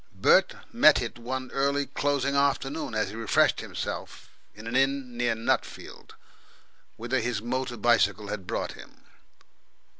Bert met it one early closing afternoon as he refreshed himself in an inn near Nutfield, whither his motor bicycle had brought him.